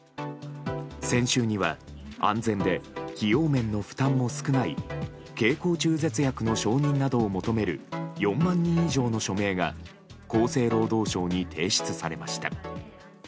先週には安全で費用面の負担も少ない経口中絶薬の承認などを求める４万人以上の署名が厚生労働省に提出されました。